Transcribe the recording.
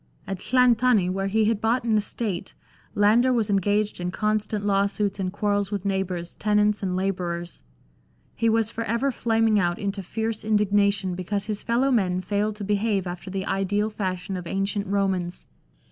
At Llanthony, where he had bought an estate, Landor was engaged in constant law suits and quarrels with neighbours, tenants, and labourers. He was for ever flaming out into fierce indignation because his fellow men failed to behave after the ideal fashion of ancient Romans.